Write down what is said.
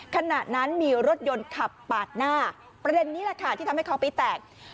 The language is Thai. ขณะนั้นมีรถยนต์ขับปาดหน้าประเด็นนี้แหละค่ะที่ทำให้เขาปี๊แตก